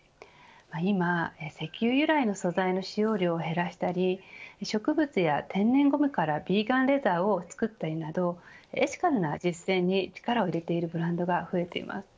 今、石油由来の素材の使用量を減らしたり植物や天然ゴムからビーガンレザーを作っているなどエシカルな実践に力を入れているブランドが増えています。